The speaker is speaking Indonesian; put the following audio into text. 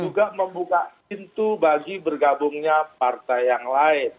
juga membuka pintu bagi bergabungnya partai yang lain